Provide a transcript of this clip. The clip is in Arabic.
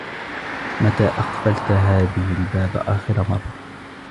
متى أقفلت هذه الباب آخر مرة ؟